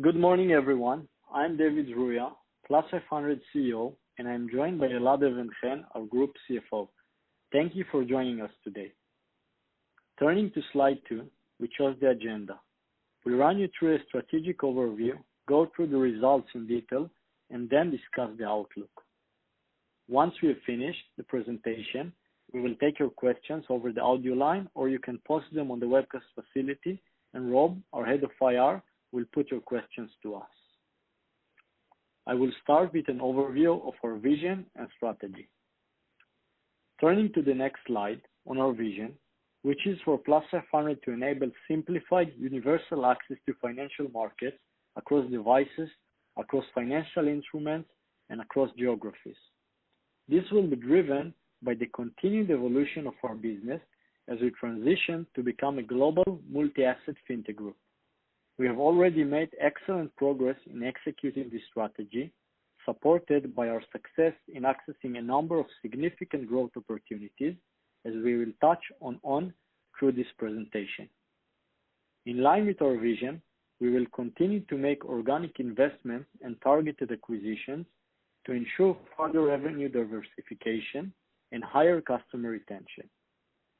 Good morning, everyone. I'm David Zruia, Plus500 CEO, and I'm joined by Elad Even-Chen, our Group CFO. Thank you for joining us today. Turning to slide two, we chose the agenda. We'll run you through a strategic overview, go through the results in detail, and then discuss the outlook. Once we have finished the presentation, we will take your questions over the audio line, or you can post them on the webcast facility, and Rob, our Head of IR, will put your questions to us. I will start with an overview of our vision and strategy. Turning to the next slide on our vision, which is for Plus500 to enable simplified universal access to financial markets across devices, across financial instruments, and across geographies. This will be driven by the continued evolution of our business as we transition to become a global multi-asset fintech group. We have already made excellent progress in executing this strategy, supported by our success in accessing a number of significant growth opportunities, as we will touch on through this presentation. In line with our vision, we will continue to make organic investments and targeted acquisitions to ensure further revenue diversification and higher customer retention.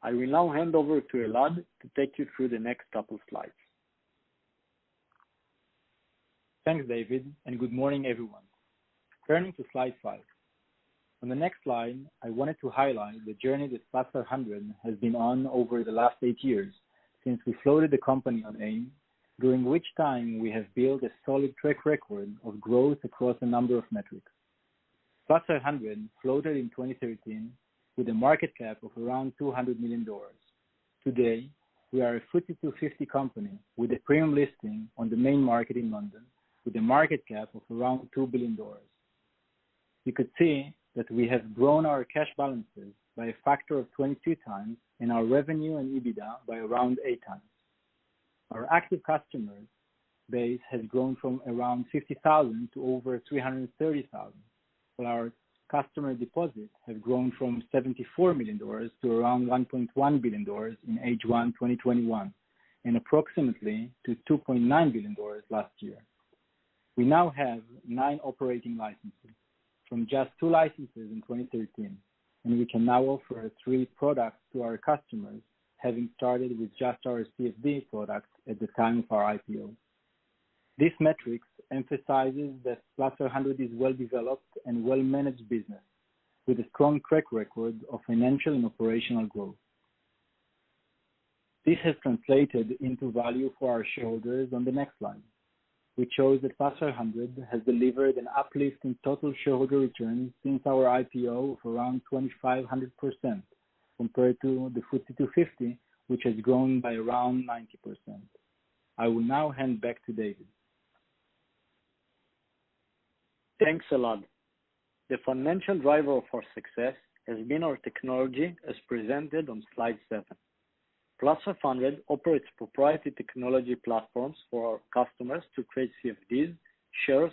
I will now hand over to Elad to take you through the next couple slides. Thanks, David, and good morning, everyone. Turning to slide five. On the next slide, I wanted to highlight the journey that Plus500 has been on over the last eight years since we floated the company on AIM, during which time we have built a solid track record of growth across a number of metrics. Plus500 floated in 2013 with a market cap of around $200 million. Today, we are a FTSE 250 company with a premium listing on the main market in London with a market cap of around $2 billion. You could see that we have grown our cash balances by a factor of 22 times and our revenue and EBITDA by around eight times. Our active customer base has grown from around 50,000 to over 330,000, while our customer deposits have grown from $74 million to around $1.1 billion in H1 2021, and approximately to $2.9 billion last year. We now have nine operating licenses from just two licenses in 2013. We can now offer three products to our customers, having started with just our CFDs product at the time of our IPO. These metrics emphasize that Plus500 is well-developed and well-managed business with a strong track record of financial and operational growth. This has translated into value for our shareholders on the next slide, which shows that Plus500 has delivered an uplift in total shareholder returns since our IPO of around 2,500% compared to the FTSE 250, which has grown by around 90%. I will now hand back to David. Thanks a lot. The fundamental driver for success has been our technology, as presented on slide seven. Plus500 operates proprietary technology platforms for our customers to trade CFDs, shares,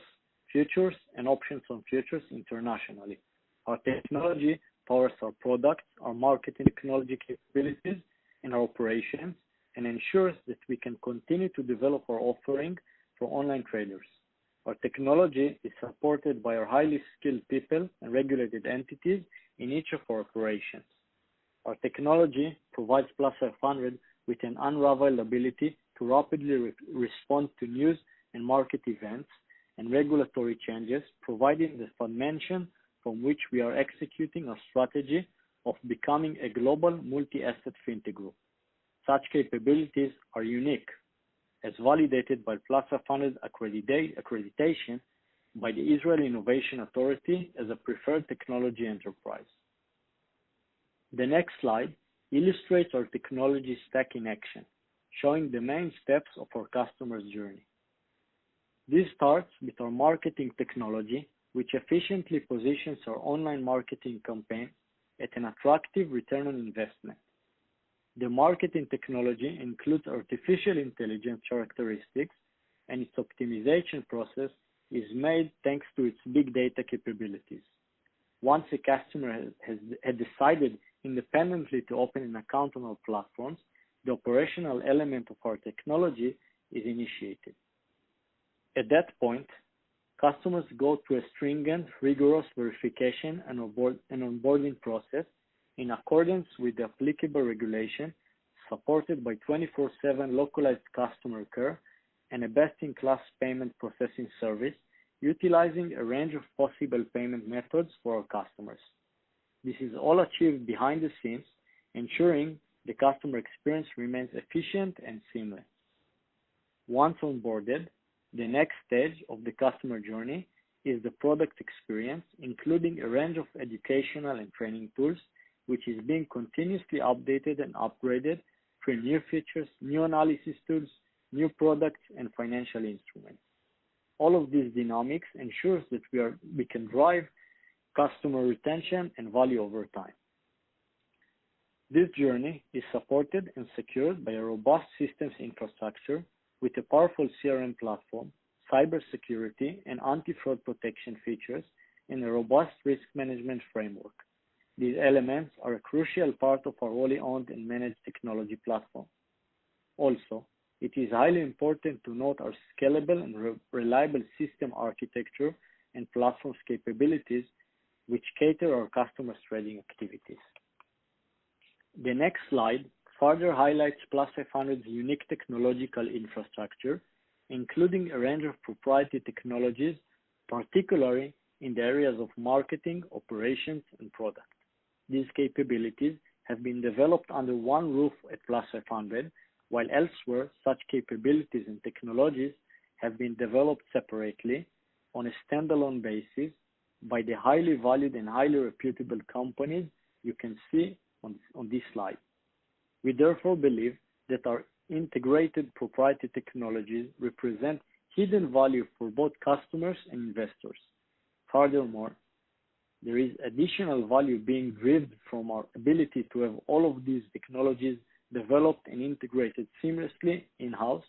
futures, and options on futures internationally. Our technology powers our products, our market technology capabilities, and our operations, and ensures that we can continue to develop our offering for online traders. Our technology is supported by our highly skilled people and regulated entities in each of our operations. Our technology provides Plus500 with an unrivaled ability to rapidly respond to news and market events and regulatory changes, providing the foundation from which we are executing our strategy of becoming a global multi-asset fintech group. Such capabilities are unique, as validated by Plus500 accreditation by the Israel Innovation Authority as a preferred technology enterprise. The next slide illustrates our technology stack in action, showing the main steps of our customer's journey. This starts with our marketing technology, which efficiently positions our online marketing campaign at an attractive Return on Investment. The marketing technology includes artificial intelligence characteristics, and its optimization process is made thanks to its big data capabilities. Once a customer has decided independently to open an account on our platforms, the operational element of our technology is initiated. At that point, customers go through a stringent, rigorous verification and onboarding process in accordance with the applicable regulation, supported by 24/7 localized customer care and a best-in-class payment processing service, utilizing a range of possible payment methods for our customers. This is all achieved behind the scenes, ensuring the customer experience remains efficient and seamless. Once onboarded, the next stage of the customer journey is the product experience, including a range of educational and training tools, which is being continuously updated and upgraded for new features, new analysis tools, new products, and financial instruments. All of these dynamics ensures that we can drive customer retention and value over time. This journey is supported and secured by a robust systems infrastructure with a powerful CRM platform, cyber security, and anti-fraud protection features, and a robust risk management framework. These elements are a crucial part of our wholly owned and managed technology platform. It is highly important to note our scalable and reliable system architecture and platform capabilities, which cater our customers' trading activities. The next slide further highlights Plus500's unique technological infrastructure, including a range of proprietary technologies, particularly in the areas of marketing, operations, and product. These capabilities have been developed under one roof at Plus500, while elsewhere, such capabilities and technologies have been developed separately on a standalone basis by the highly valued and highly reputable companies you can see on this slide. We therefore believe that our integrated proprietary technologies represent hidden value for both customers and investors. Furthermore, there is additional value being derived from our ability to have all of these technologies developed and integrated seamlessly in-house.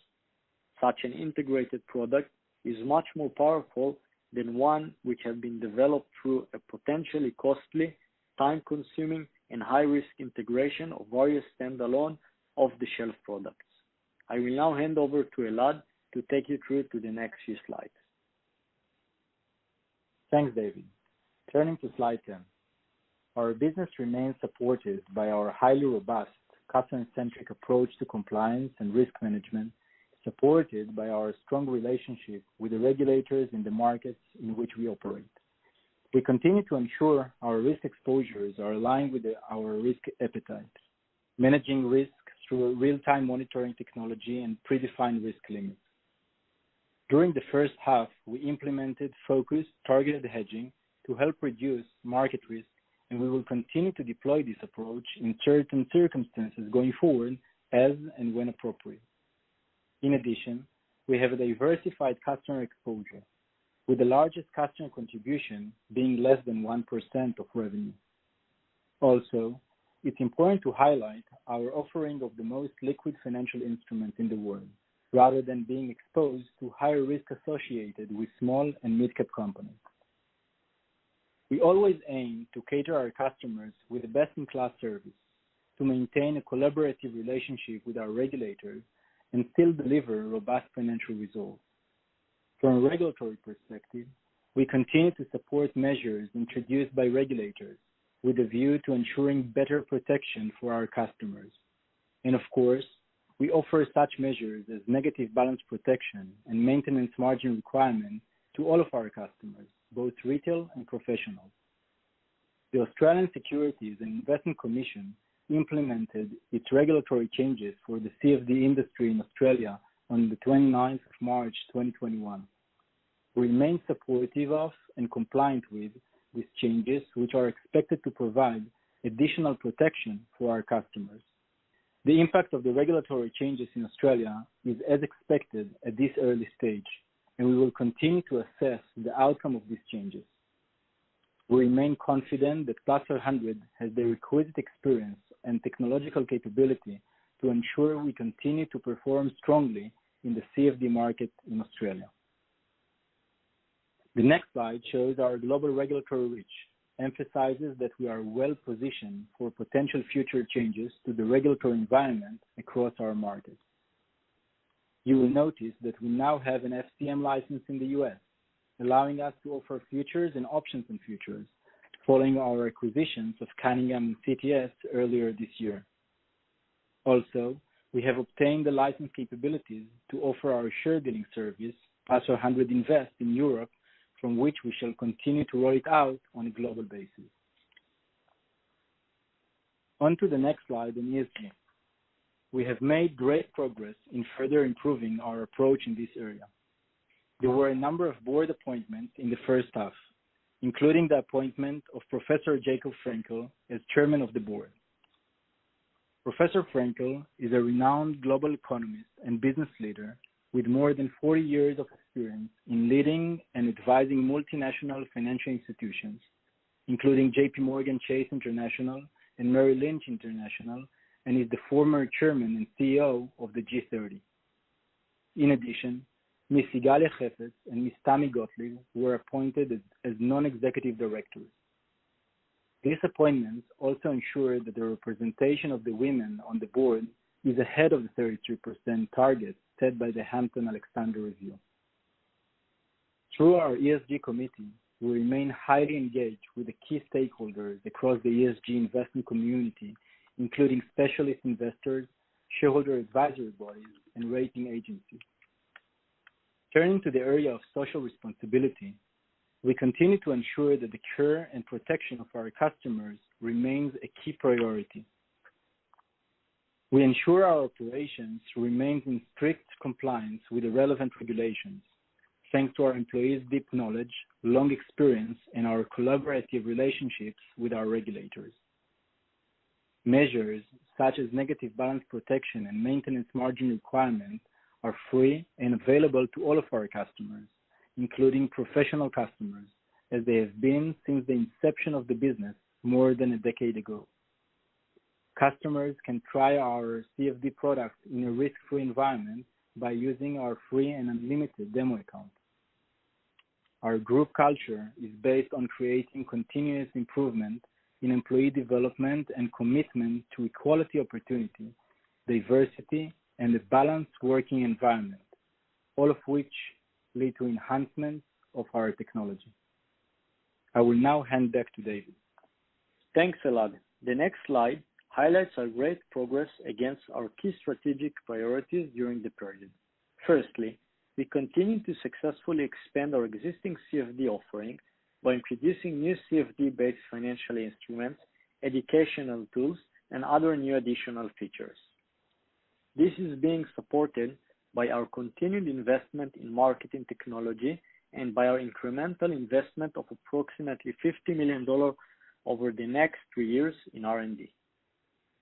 Such an integrated product is much more powerful than one which has been developed through a potentially costly, time-consuming, and high-risk integration of various standalone, off-the-shelf products. I will now hand over to Elad to take you through to the next few slides. Thanks, David. Turning to slide 10. Our business remains supported by our highly robust, customer-centric approach to compliance and risk management, supported by our strong relationship with the regulators in the markets in which we operate. We continue to ensure our risk exposures are aligned with our risk appetite, managing risks through a real-time monitoring technology and predefined risk limits. During the first half, we implemented focused, targeted hedging to help reduce market risk, and we will continue to deploy this approach in certain circumstances going forward as and when appropriate. In addition, we have a diversified customer exposure, with the largest customer contribution being less than 1% of revenue. Also, it's important to highlight our offering of the most liquid financial instruments in the world, rather than being exposed to higher risk associated with small and mid-cap companies. We always aim to cater our customers with a best-in-class service to maintain a collaborative relationship with our regulators and still deliver robust financial results. From a regulatory perspective, we continue to support measures introduced by regulators with a view to ensuring better protection for our customers. Of course, we offer such measures as negative balance protection and maintenance margin requirements to all of our customers, both retail and professional. The Australian Securities and Investments Commission implemented its regulatory changes for the CFD industry in Australia on the 29th of March 2021. We remain supportive of and compliant with these changes, which are expected to provide additional protection for our customers. The impact of the regulatory changes in Australia is as expected at this early stage, and we will continue to assess the outcome of these changes. We remain confident that Plus500 has the requisite experience and technological capability to ensure we continue to perform strongly in the CFD market in Australia. The next slide shows our global regulatory reach, emphasizes that we are well-positioned for potential future changes to the regulatory environment across our markets. You will notice that we now have an FCM license in the U.S., allowing us to offer futures and options and futures following our acquisitions of Cunningham CTS earlier this year. Also, we have obtained the license capabilities to offer our share dealing service, Plus500 Invest in Europe, from which we shall continue to roll it out on a global basis. On to the next slide, and ESG. We have made great progress in further improving our approach in this area. There were a number of board appointments in the first half, including the appointment of Professor Jacob Frenkel as chairman of the board. Professor Frenkel is a renowned global economist and business leader with more than 40 years of experience in leading and advising multinational financial institutions, including JPMorgan Chase International and Merrill Lynch International, and is the former chairman and CEO of the G30. In addition, Ms. Sigalia Heifetz and Ms. Tami Gottlieb were appointed as non-executive directors. These appointments also ensure that the representation of the women on the board is ahead of the 32% target set by the Hampton-Alexander Review. Through our ESG committee, we remain highly engaged with the key stakeholders across the ESG investment community, including specialist investors, shareholder advisory bodies, and rating agencies. Turning to the area of social responsibility, we continue to ensure that the care and protection of our customers remains a key priority. We ensure our operations remain in strict compliance with the relevant regulations, thanks to our employees' deep knowledge, long experience, and our collaborative relationships with our regulators. Measures such as negative balance protection and maintenance margin requirements are free and available to all of our customers, including professional customers, as they have been since the inception of the business more than a decade ago. Customers can try our CFD products in a risk-free environment by using our free and unlimited demo account. Our group culture is based on creating continuous improvement in employee development and commitment to equality, opportunity, diversity, and a balanced working environment, all of which lead to enhancement of our technology. I will now hand back to David. Thanks, Elad. The next slide highlights our great progress against our key strategic priorities during the period. We continue to successfully expand our existing CFD offering by introducing new CFD-based financial instruments, educational tools, and other new additional features. This is being supported by our continued investment in marketing technology and by our incremental investment of approximately $50 million over the next three years in R&D.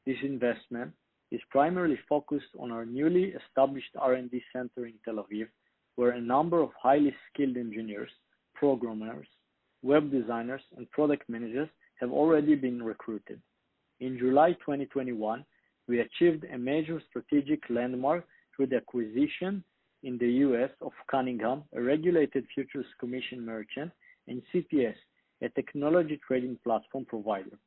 This investment is primarily focused on our newly established R&D center in Tel Aviv, where a number of highly skilled engineers, programmers, web designers, and product managers have already been recruited. In July 2021, we achieved a major strategic landmark through the acquisition in the U.S. of Cunningham, a regulated Futures Commission Merchant, and CTS, a technology trading platform provider.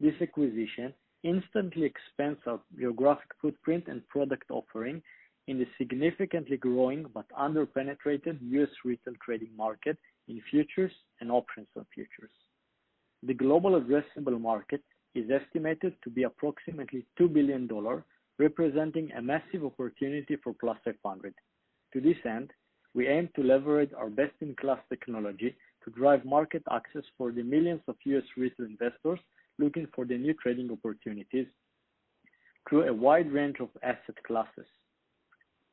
This acquisition instantly expands our geographic footprint and product offering in the significantly growing but under-penetrated U.S. retail trading market in futures and options for futures. The global addressable market is estimated to be approximately $2 billion, representing a massive opportunity for Plus500. To this end, we aim to leverage our best-in-class technology to drive market access for the millions of U.S. retail investors looking for the new trading opportunities through a wide range of asset classes.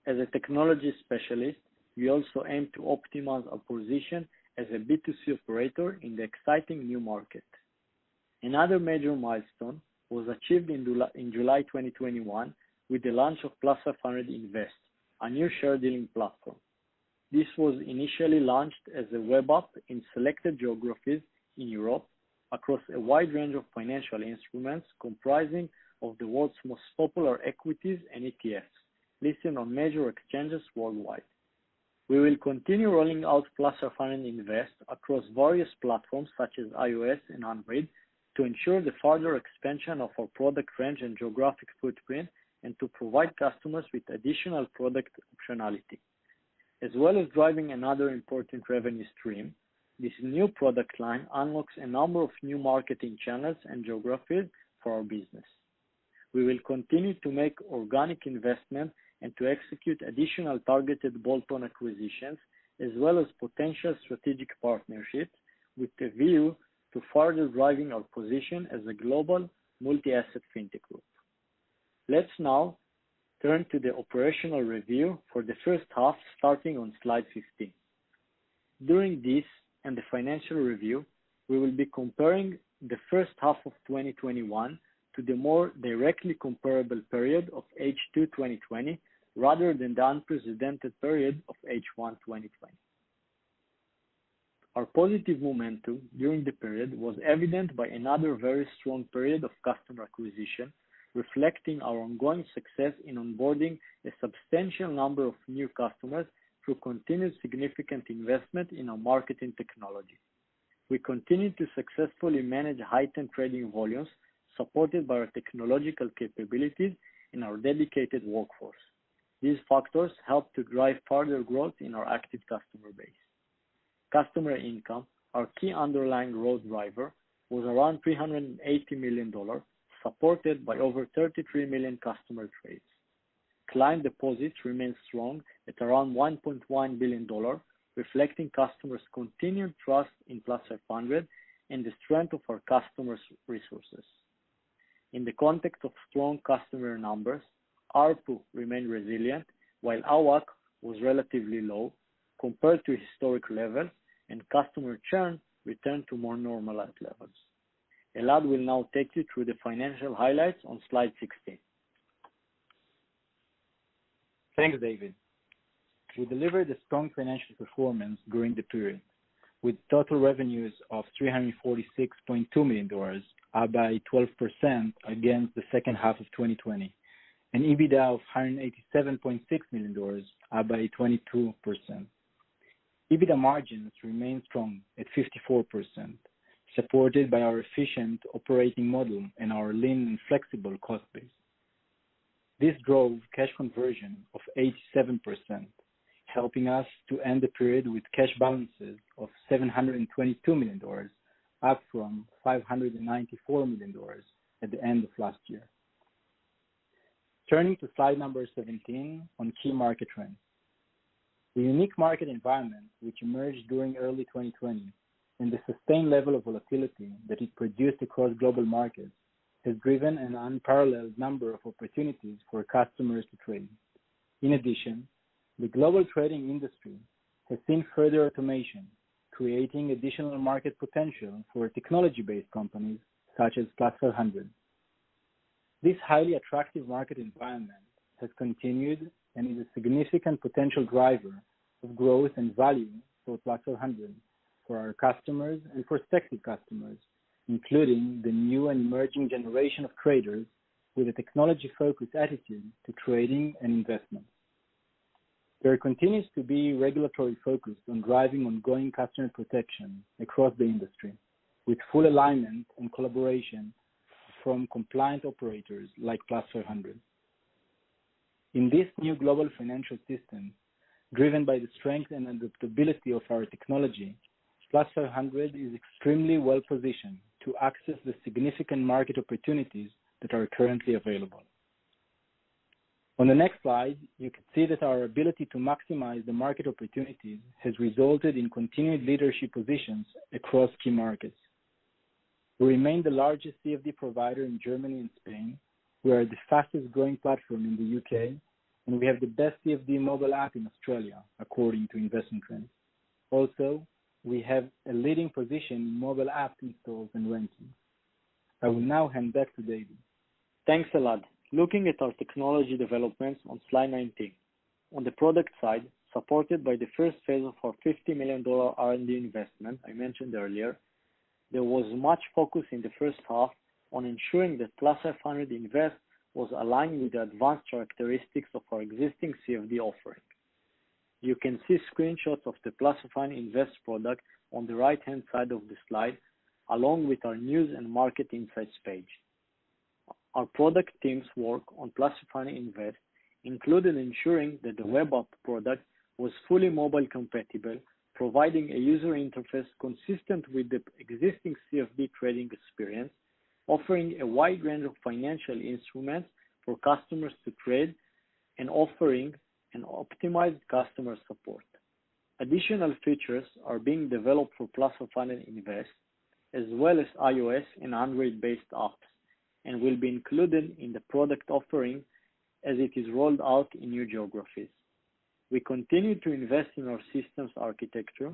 As a technology specialist, we also aim to optimize our position as a B2C operator in the exciting new market. Another major milestone was achieved in July 2021 with the launch of Plus500 Invest, a new share dealing platform. This was initially launched as a web app in selected geographies in Europe across a wide range of financial instruments comprising of the world's most popular equities and ETFs, listed on major exchanges worldwide. We will continue rolling out Plus500 Invest across various platforms such as iOS and Android to ensure the further expansion of our product range and geographic footprint, and to provide customers with additional product functionality. As well as driving another important revenue stream, this new product line unlocks a number of new marketing channels and geographies for our business. We will continue to make organic investment and to execute additional targeted bolt-on acquisitions, as well as potential strategic partnerships with the view to further driving our position as a global multi-asset fintech group. Let's now turn to the operational review for the first half, starting on slide 15. During this and the financial review, we will be comparing the first half of 2021 to the more directly comparable period of H2 2020, rather than the unprecedented period of H1 2020. Our positive momentum during the period was evident by another very strong period of customer acquisition, reflecting our ongoing success in onboarding a substantial number of new customers through continued significant investment in our marketing technology. We continue to successfully manage heightened trading volumes, supported by our technological capabilities and our dedicated workforce. These factors help to drive further growth in our active customer base. Customer income, our key underlying growth driver, was around $380 million, supported by over 33 million customer trades. Client deposits remain strong at around $1.1 billion, reflecting customers' continued trust in Plus500 and the strength of our customers' resources. In the context of strong customer numbers, ARPU remained resilient while AUAC was relatively low compared to historic levels, and customer churn returned to more normalized levels. Elad will now take you through the financial highlights on slide 16. Thanks, David. We delivered a strong financial performance during the period, with total revenues of $346.2 million, up by 12% against the second half of 2020, and EBITDA of $187.6 million, up by 22%. EBITDA margins remained strong at 54%, supported by our efficient operating model and our lean and flexible cost base. This drove cash conversion of 87%, helping us to end the period with cash balances of $722 million, up from $594 million at the end of last year. Turning to slide number 17 on key market trends. The unique market environment which emerged during early 2020 and the sustained level of volatility that it produced across global markets has driven an unparalleled number of opportunities for customers to trade. In addition, the global trading industry has seen further automation, creating additional market potential for technology-based companies such as Plus500. This highly attractive market environment has continued and is a significant potential driver of growth and value for Plus500. For our customers and for prospective customers, including the new and emerging generation of traders with a technology-focused attitude to trading and investment. There continues to be regulatory focus on driving ongoing customer protection across the industry, with full alignment and collaboration from compliant operators like Plus500. In this new global financial system, driven by the strength and adaptability of our technology, Plus500 is extremely well-positioned to access the significant market opportunities that are currently available. On the next slide, you can see that our ability to maximize the market opportunity has resulted in continued leadership positions across key markets. We remain the largest CFD provider in Germany and Spain, we are the fastest-growing platform in the U.K., and we have the best CFD mobile app in Australia, according to Investment Trends. We have a leading position in mobile app installs and rankings. I will now hand back to David. Thanks, Elad. Looking at our technology developments on slide 19. On the product side, supported by the first phase of our $50 million R&D investment I mentioned earlier, there was much focus in the first half on ensuring that Plus500 Invest was aligned with the advanced characteristics of our existing CFD offering. You can see screenshots of the Plus500 Invest product on the right-hand side of the slide, along with our news and market insights page. Our product teams' work on Plus500 Invest included ensuring that the web app product was fully mobile compatible, providing a user interface consistent with the existing CFD trading experience, offering a wide range of financial instruments for customers to trade, and offering an optimized customer support. Additional features are being developed for Plus500 Invest, as well as iOS and Android-based apps, and will be included in the product offering as it is rolled out in new geographies. We continue to invest in our systems architecture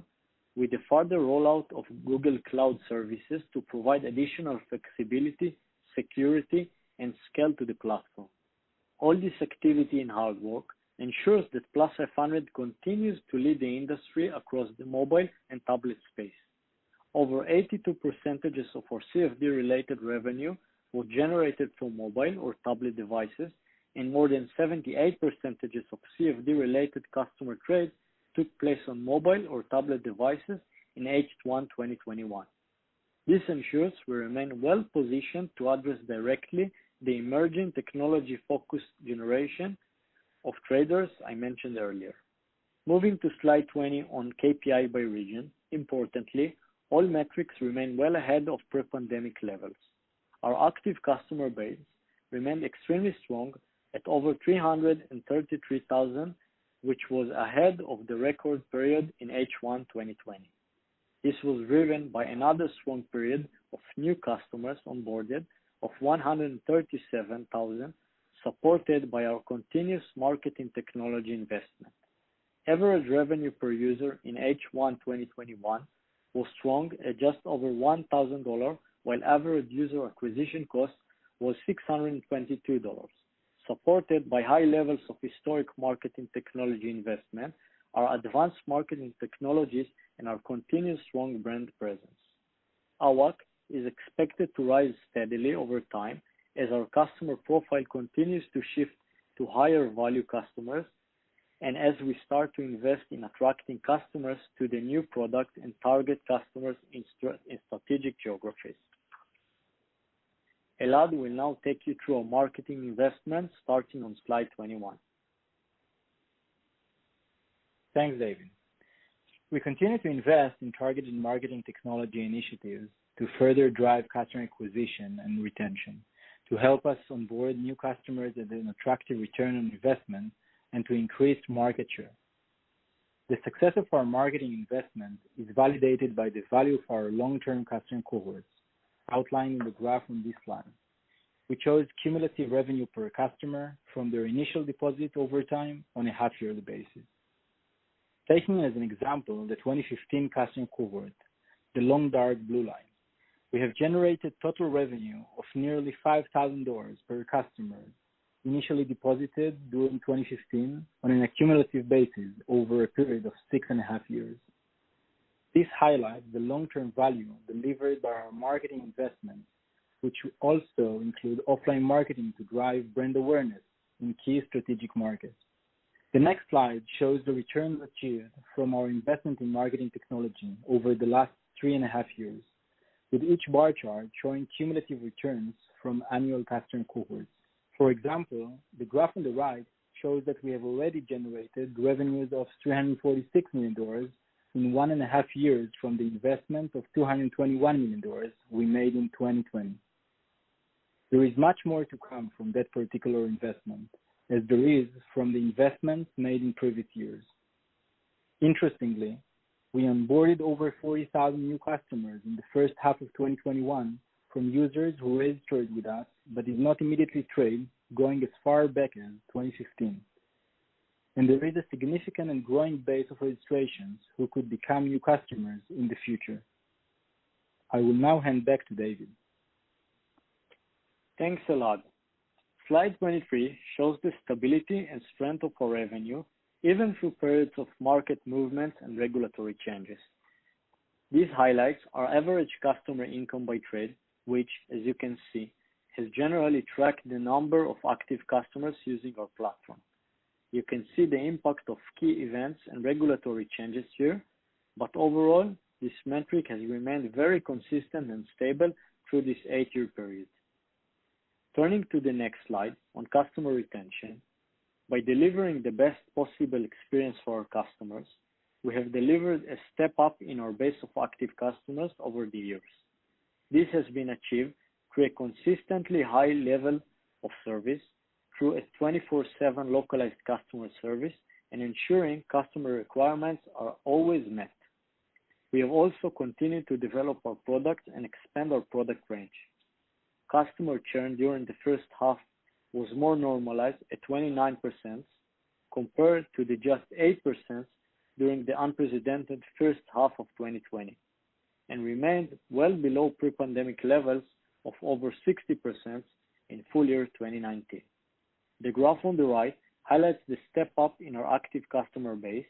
with the further rollout of Google Cloud services to provide additional flexibility, security, and scale to the platform. All this activity and hard work ensures that Plus500 continues to lead the industry across the mobile and tablet space. Over 82% of our CFD-related revenue were generated through mobile or tablet devices, and more than 78% of CFD-related customer trades took place on mobile or tablet devices in H1 2021. This ensures we remain well-positioned to address directly the emerging technology-focused generation of traders I mentioned earlier. Moving to slide 20 on KPI by region. Importantly, all metrics remain well ahead of pre-pandemic levels. Our active customer base remained extremely strong at over 333,000, which was ahead of the record period in H1 2020. This was driven by another strong period of new customers onboarded of 137,000, supported by our continuous marketing technology investment. Average revenue per user in H1 2021 was strong at just over $1,000, while average user acquisition cost was $622, supported by high levels of historic marketing technology investment, our advanced marketing technologies, and our continuous strong brand presence. AUAC is expected to rise steadily over time as our customer profile continues to shift to higher value customers and as we start to invest in attracting customers to the new product and target customers in strategic geographies. Elad will now take you through our marketing investments, starting on slide 21. Thanks, David. We continue to invest in targeted marketing technology initiatives to further drive customer acquisition and retention, to help us onboard new customers at an attractive return on investment, and to increase market share. The success of our marketing investment is validated by the value of our long-term customer cohorts, outlined in the graph on this slide, which shows cumulative revenue per customer from their initial deposit over time on a half-yearly basis. Taking as an example the 2015 customer cohort, the long dark blue line. We have generated total revenue of nearly $5,000 per customer initially deposited during 2015 on a cumulative basis over a period of 6.5 years. This highlights the long-term value delivered by our marketing investments, which will also include offline marketing to drive brand awareness in key strategic markets. The next slide shows the returns achieved from our investment in marketing technology over the last three and a half years, with each bar chart showing cumulative returns from annual customer cohorts. For example, the graph on the right shows that we have already generated revenues of $346 million in one and a half years from the investment of $221 million we made in 2020. There is much more to come from that particular investment, as there is from the investments made in previous years. Interestingly, we onboarded over 40,000 new customers in the first half of 2021 from users who registered with us but did not immediately trade, going as far back as 2015. There is a significant and growing base of registrations who could become new customers in the future. I will now hand back to David. Thanks a lot. Slide 23 shows the stability and strength of our revenue, even through periods of market movement and regulatory changes. This highlights our average customer income by trade, which as you can see, has generally tracked the number of active customers using our platform. You can see the impact of key events and regulatory changes here, but overall, this metric has remained very consistent and stable through this eight-year period. Turning to the next slide on customer retention. By delivering the best possible experience for our customers, we have delivered a step-up in our base of active customers over the years. This has been achieved through a consistently high level of service, through a 24/7 localized customer service, and ensuring customer requirements are always met. We have also continued to develop our products and expand our product range. Customer churn during the first half was more normalized at 29% compared to the just 8% during the unprecedented first half of 2020, and remained well below pre-pandemic levels of over 60% in full year 2019. The graph on the right highlights the step-up in our active customer base.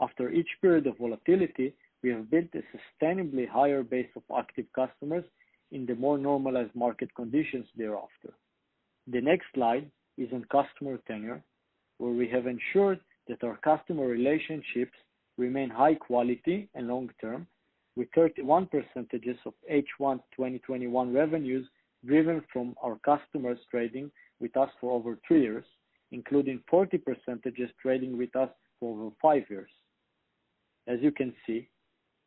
After each period of volatility, we have built a sustainably higher base of active customers in the more normalized market conditions thereafter. The next slide is on customer tenure, where we have ensured that our customer relationships remain high quality and long-term, with 31% of H1 2021 revenues driven from our customers trading with us for over three years, including 40% trading with us for over five years. As you can see,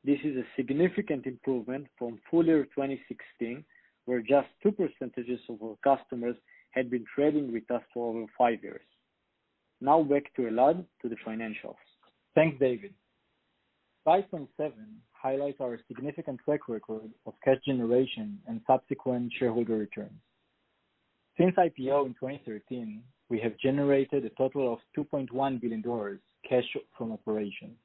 this is a significant improvement from full year 2016, where just 2% of our customers had been trading with us for over five years. Now back to Elad to the financials. Thanks, David. Slide 27 highlights our significant track record of cash generation and subsequent shareholder returns. Since IPO in 2013, we have generated a total of $2.1 billion cash from operations,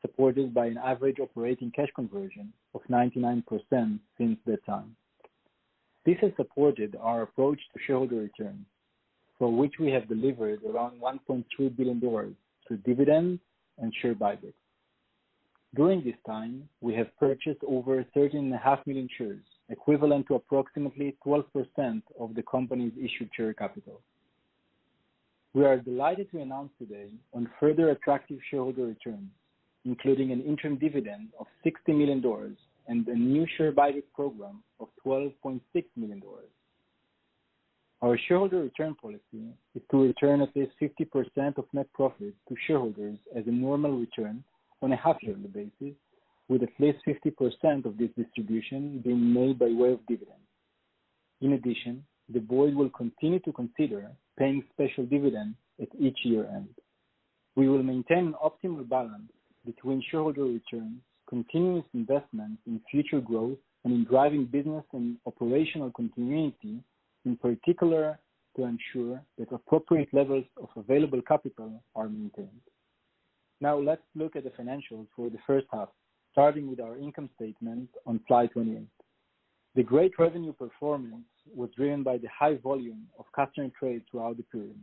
supported by an average operating cash conversion of 99% since that time. This has supported our approach to shareholder returns, for which we have delivered around $1.3 billion through dividends and share buybacks. During this time, we have purchased over 13 and a half million shares, equivalent to approximately 12% of the company's issued share capital. We are delighted to announce today on further attractive shareholder returns, including an interim dividend of $60 million and a new share buyback program of $12.6 million. Our shareholder return policy is to return at least 50% of net profit to shareholders as a normal return on a half yearly basis, with at least 50% of this distribution being made by way of dividends. In addition, the board will continue to consider paying special dividends at each year-end. We will maintain an optimal balance between shareholder returns, continuous investment in future growth, and in driving business and operational continuity, in particular, to ensure that appropriate levels of available capital are maintained. Now let's look at the financials for the first half, starting with our income statement on slide 28. The great revenue performance was driven by the high volume of customer trade throughout the period,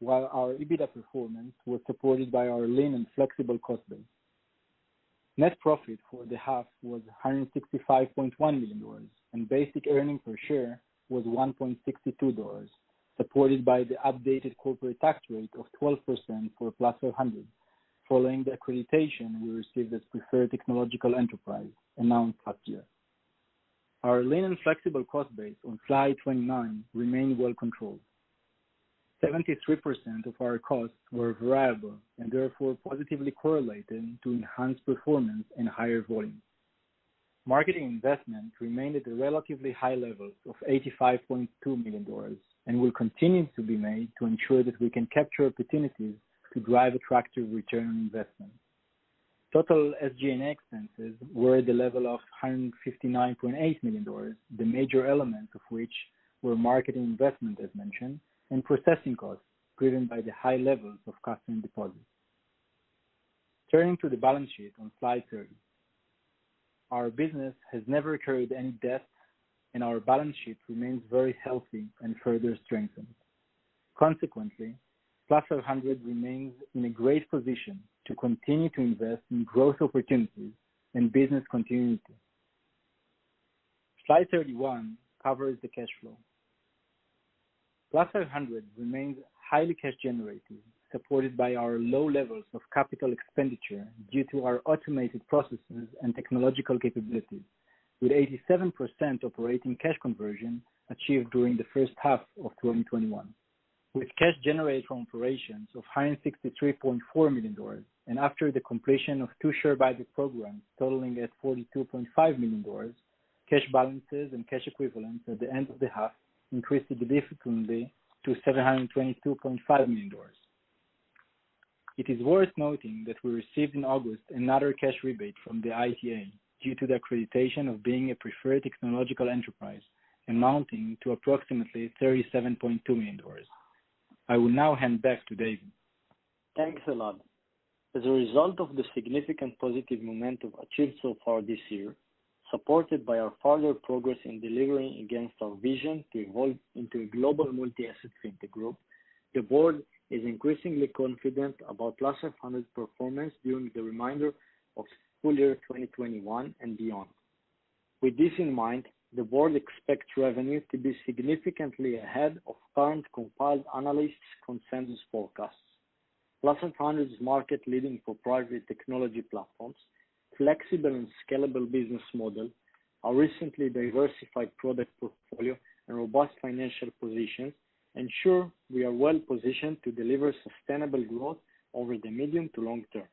while our EBITDA performance was supported by our lean and flexible cost base. Net profit for the half was $165.1 million, and basic earnings per share was $1.62, supported by the updated corporate tax rate of 12% for Plus500, following the accreditation we received as preferred technological enterprise announced last year. Our lean and flexible cost base on slide 29 remained well controlled. 73% of our costs were variable, and therefore positively correlated to enhanced performance and higher volumes. Marketing investment remained at the relatively high levels of $85.2 million and will continue to be made to ensure that we can capture opportunities to drive attractive return on investment. Total SG&A expenses were at the level of $159.8 million. The major elements of which were marketing investment, as mentioned, and processing costs driven by the high levels of customer deposits. Turning to the balance sheet on slide 30. Our business has never incurred any debt, our balance sheet remains very healthy and further strengthened. Consequently, Plus500 remains in a great position to continue to invest in growth opportunities and business continuity. Slide 31 covers the cash flow. Plus500 remains highly cash generative, supported by our low levels of capital expenditure due to our automated processes and technological capabilities, with 87% operating cash conversion achieved during the first half of 2021. With cash generated from operations of $163.4 million, after the completion of two share buyback programs totaling at $42.5 million, cash balances and cash equivalents at the end of the half increased significantly to $722.5 million. It is worth noting that we received in August another cash rebate from the IIA due to the accreditation of being a preferred technological enterprise, amounting to approximately $37.2 million. I will now hand back to David. Thanks a lot. As a result of the significant positive momentum achieved so far this year, supported by our further progress in delivering against our vision to evolve into a global multi-asset fintech group, the board is increasingly confident about Plus500 performance during the remainder of full year 2021 and beyond. With this in mind, the board expects revenue to be significantly ahead of current compiled analyst consensus forecasts. Plus500's market-leading proprietary technology platforms, flexible and scalable business model, our recently diversified product portfolio, and robust financial position ensure we are well-positioned to deliver sustainable growth over the medium to long term.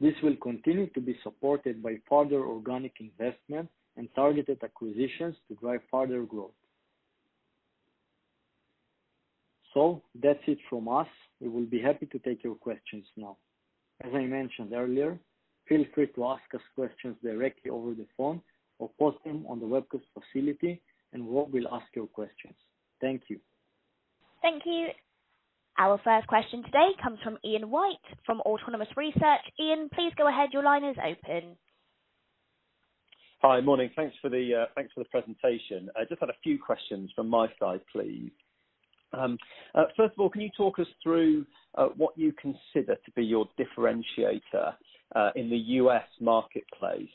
This will continue to be supported by further organic investment and targeted acquisitions to drive further growth. That's it from us. We will be happy to take your questions now. As I mentioned earlier, feel free to ask us questions directly over the phone or post them on the webcast facility, and Rob will ask your questions. Thank you. Thank you. Our first question today comes from Ian White from Autonomous Research. Ian, please go ahead. Your line is open. Hi. Morning. Thanks for the presentation. I just had a few questions from my side, please. First of all, can you talk us through what you consider to be your differentiator in the U.S. marketplace?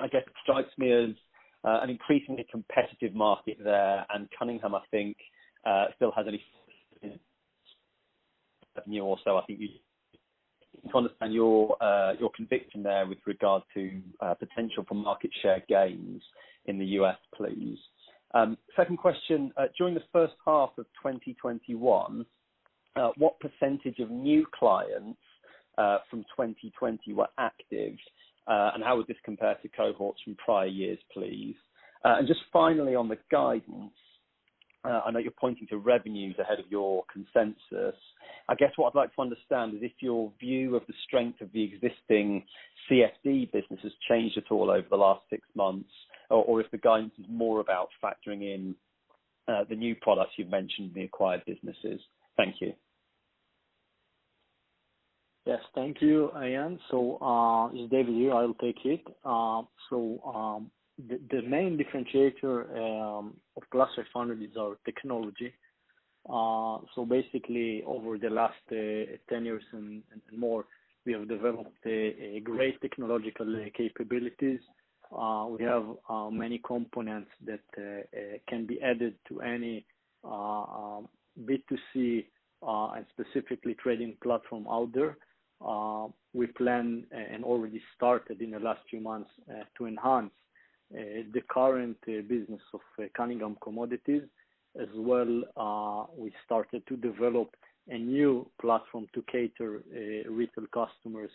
I guess it strikes me as an increasingly competitive market there, and Cunningham, I think, still has understand your conviction there with regard to potential for market share gains in the U.S., please. Second question, during the first half of 2021, what % of new clients from 2020 were active? How would this compare to cohorts from prior years, please? Just finally, on the guidance, I know you're pointing to revenues ahead of your consensus. I guess what I'd like to understand is if your view of the strength of the existing CFD business has changed at all over the last six months, or if the guidance is more about factoring in the new products you've mentioned in the acquired businesses? Thank you. Yes. Thank you, Ian. It's David here. I'll take it. The main differentiator of Plus500 is our technology. Basically, over the last 10 years and more, we have developed great technological capabilities. We have many components that can be added to any B2C, and specifically trading platform out there. We plan and already started in the last few months to enhance the current business of Cunningham Commodities. As well, we started to develop a new platform to cater retail customers,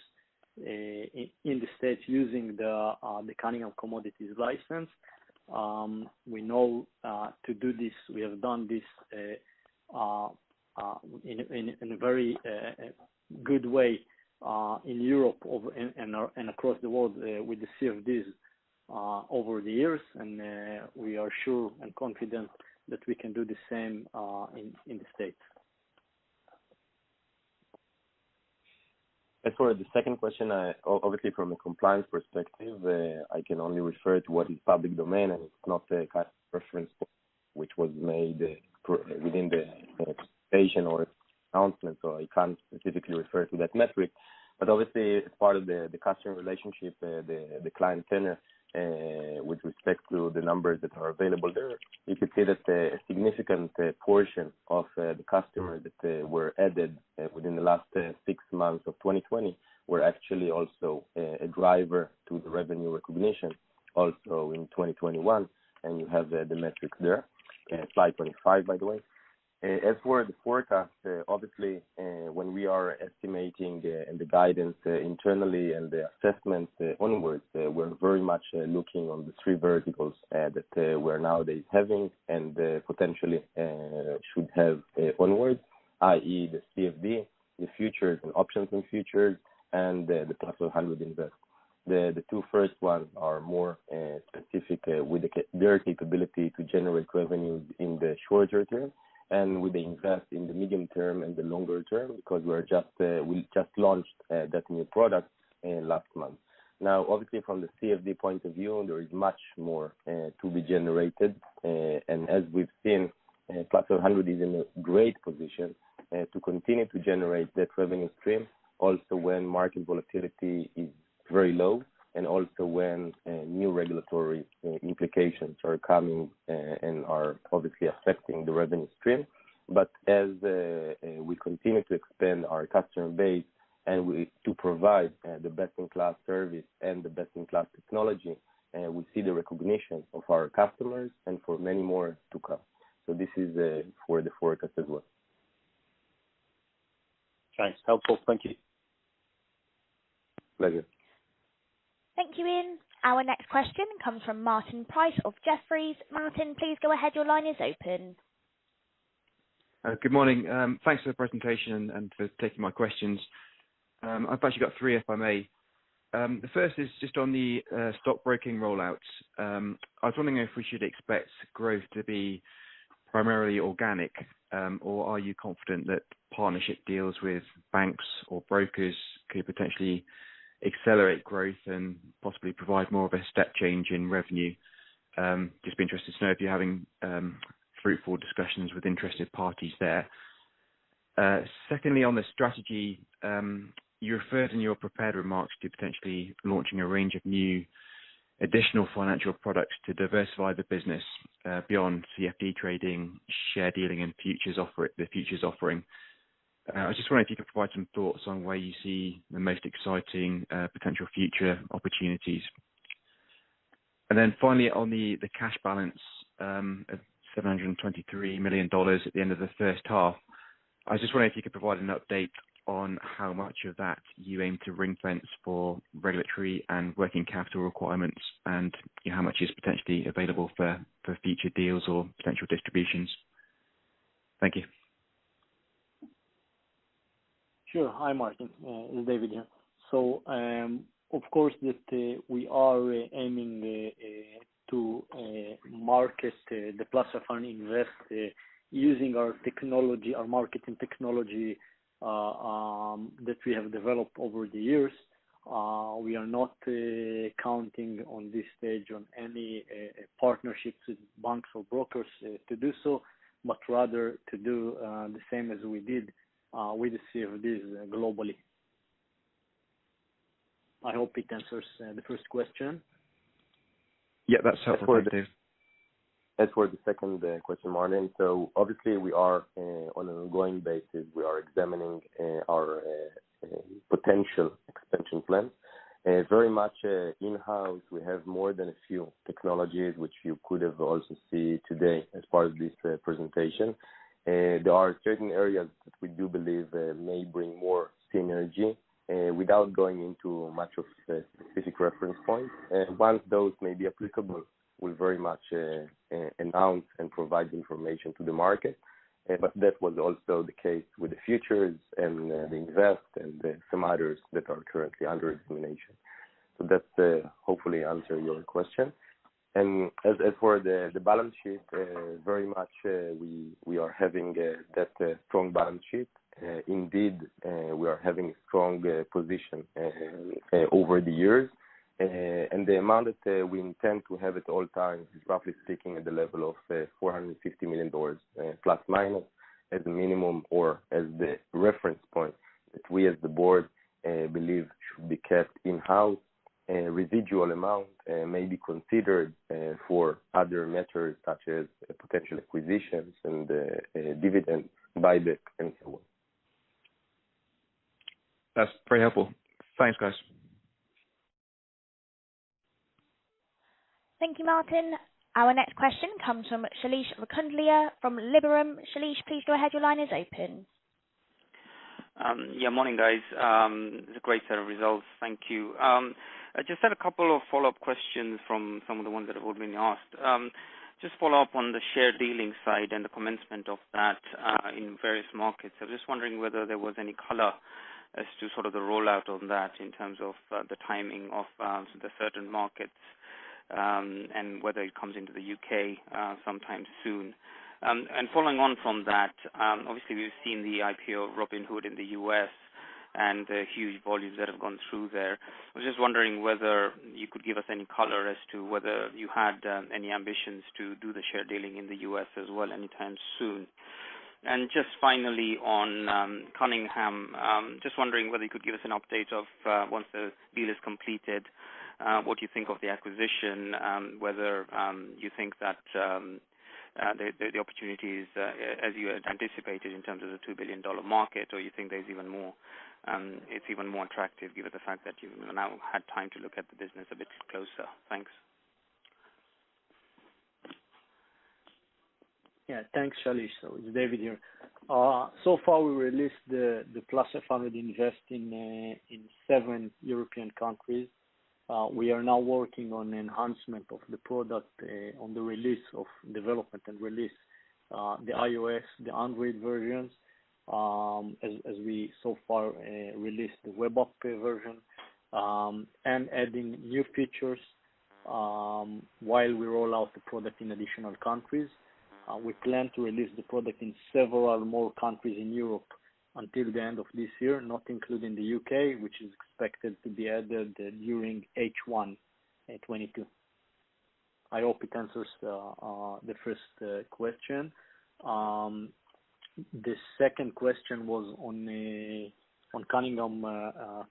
in the States using the Cunningham Commodities license. We know, to do this, we have done this in a very good way in Europe and across the world with the CFDs over the years, and we are sure and confident that we can do the same in the States. As for the second question, obviously, from a compliance perspective, I can only refer to what is public domain, and it's not a reference which was made within the presentation or announcement. I can't specifically refer to that metric. Obviously, as part of the customer relationship, the client tenure, with respect to the numbers that are available there, you could say that a significant portion of the customers that were added within the last six months of 2020 were actually also a driver to the revenue recognition also in 2021. You have the metrics there, slide 25, by the way. As for the forecast, obviously, when we are estimating the guidance internally and the assessments onwards, we're very much looking on the 3 verticals that we're nowadays having and potentially should have onwards, i.e. the CFD, the futures and options and futures, and the Plus500 Invest. The two first ones are more specific with their capability to generate revenue in the shorter term and with the Invest in the medium term and the longer term, because we just launched that new product last month. Obviously from the CFD point of view, there is much more to be generated. As we've seen, Plus500 is in a great position to continue to generate that revenue stream also when market volatility is very low and also when new regulatory implications are coming and are obviously affecting the revenue stream. As we continue to expand our customer base and to provide the best-in-class service and the best-in-class technology, we see the recognition of our customers and for many more to come. This is for the forecast as well. Thanks. Helpful. Thank you. Pleasure. Thank you, Ian. Our next question comes from Martin Price of Jefferies. Martin, please go ahead. Your line is open. Good morning. Thanks for the presentation and for taking my questions. I've actually got three, if I may. The first is just on the stockbroking rollouts. I was wondering if we should expect growth to be primarily organic, or are you confident that partnership deals with banks or brokers could potentially accelerate growth and possibly provide more of a step change in revenue? Just be interested to know if you're having fruitful discussions with interested parties there. Secondly, on the strategy, you referred in your prepared remarks to potentially launching a range of new additional financial products to diversify the business beyond CFD trading, share dealing, and the futures offering. I just wonder if you could provide some thoughts on where you see the most exciting potential future opportunities. Finally on the cash balance of $723 million at the end of the first half, I just wonder if you could provide an update on how much of that you aim to ring-fence for regulatory and working capital requirements and how much is potentially available for future deals or potential distributions. Thank you. Sure. Hi, Martin. It's David here. Of course, we are aiming to market the Plus500 Invest using our marketing technology that we have developed over the years. We are not counting on this stage on any partnerships with banks or brokers to do so, rather to do the same as we did with the CFDs globally. I hope it answers the first question. Yeah, that certainly does. As for the second question, Martin, obviously on an ongoing basis, we are examining our potential expansion plans. Very much in-house, we have more than a few technologies, which you could have also seen today as part of this presentation. There are certain areas that we do believe may bring more synergy. Without going into much of the specific reference points, once those may be applicable, we'll very much announce and provide the information to the market. That was also the case with the futures and the Invest and some others that are currently under examination. That hopefully answers your question. As for the balance sheet, very much we are having that strong balance sheet. Indeed, we are having a strong position over the years. The amount that we intend to have at all times is roughly sticking at the level of ±$450 million, as a minimum or as the reference point that we as the board believe should be kept in-house. Residual amount may be considered for other matters such as potential acquisitions and dividends by the et cetera. That's very helpful. Thanks, guys. Thank you, Martin. Our next question comes from Shailesh Raikundlia from Liberum. Shailesh, please go ahead. Your line is open. Yeah, morning, guys. It's a great set of results. Thank you. I just had a couple of follow-up questions from some of the ones that have already been asked. Just follow up on the share dealing side and the commencement of that in various markets. I'm just wondering whether there was any color as to sort of the rollout on that in terms of the timing of the certain markets, and whether it comes into the U.K. sometime soon. Following on from that, obviously we've seen the IPO of Robinhood in the U.S. and the huge volumes that have gone through there. I was just wondering whether you could give us any color as to whether you had any ambitions to do the share dealing in the U.S. as well anytime soon. Just finally on Cunningham, just wondering whether you could give us an update of, once the deal is completed, what you think of the acquisition, whether you think that the opportunity is as you had anticipated in terms of the $2 billion market, or you think it's even more attractive given the fact that you've now had time to look at the business a bit closer. Thanks. Thanks, Shailesh. It's David here. Far, we released the Plus500 Invest in seven European countries. We are now working on enhancement of the product on the release of development and release, the iOS, the Android versions, as we far released the web app version, and adding new features while we roll out the product in additional countries. We plan to release the product in several more countries in Europe until the end of this year, not including the U.K., which is expected to be added during H1 2022. I hope it answers the first question. The second question was on Cunningham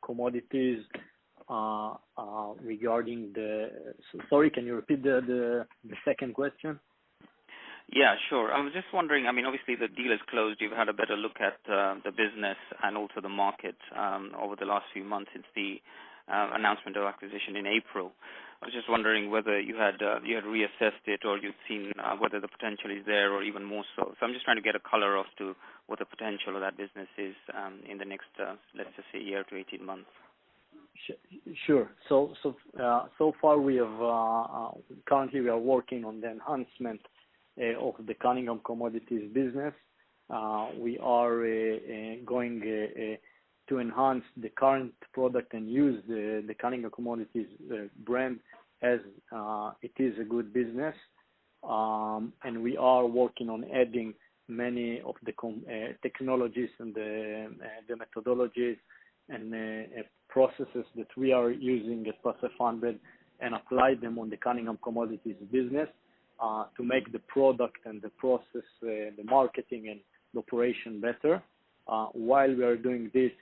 Commodities regarding. Sorry, can you repeat the second question? Yeah, sure. I was just wondering, obviously the deal is closed. You've had a better look at the business and also the market over the last few months since the announcement of acquisition in April. I was just wondering whether you had reassessed it or you've seen whether the potential is there or even more so. I'm just trying to get a color as to what the potential of that business is in the next, let's just say a year to 18 months. Sure. Currently, we are working on the enhancement of the Cunningham Commodities business. We are going to enhance the current product and use the Cunningham Commodities brand as it is a good business. We are working on adding many of the technologies and the methodologies and processes that we are using at Plus500 and apply them on the Cunningham Commodities business to make the product and the process, the marketing, and the operation better. While we are doing this,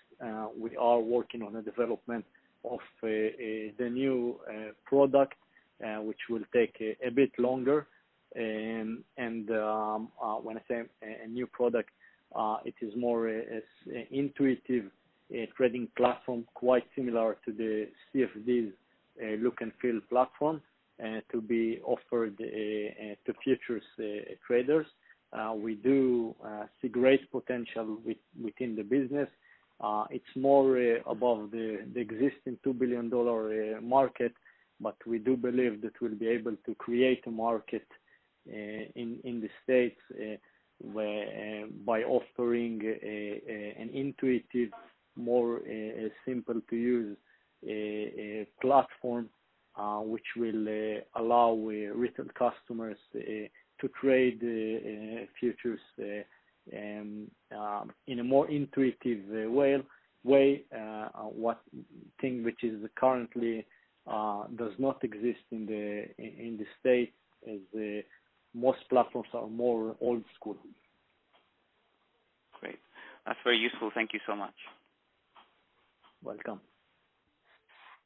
we are working on the development of the new product, which will take a bit longer. When I say a new product, it is more intuitive trading platform, quite similar to the CFDs look and feel platform to be offered to futures traders. We do see great potential within the business. It's more above the existing $2 billion market. We do believe that we'll be able to create a market in the U.S. by offering an intuitive, more simple to use platform, which will allow retail customers to trade futures in a more intuitive way, one thing which currently does not exist in the U.S., as most platforms are more old school. Great. That's very useful. Thank you so much. Welcome.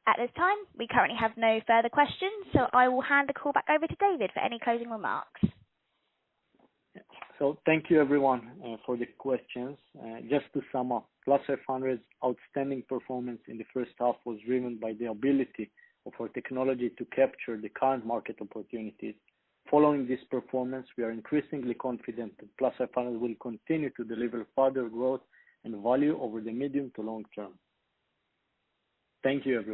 At this time, we currently have no further questions, so I will hand the call back over to David for any closing remarks. Thank you everyone for the questions. Just to sum up, Plus500's outstanding performance in the first half was driven by the ability of our technology to capture the current market opportunities. Following this performance, we are increasingly confident that Plus500 will continue to deliver further growth and value over the medium to long term. Thank you, everyone